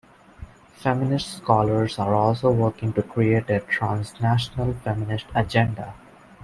Feminist scholars are also working to create a transnational feminist agenda.